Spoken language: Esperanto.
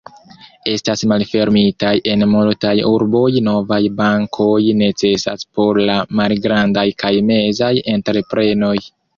Estas malfermitaj en multaj urboj novaj bankoj necesaj por la malgrandaj kaj mezaj entreprenoj.